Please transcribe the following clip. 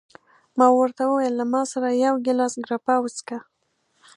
ما ورته وویل: له ما سره یو ګیلاس ګراپا وڅښه.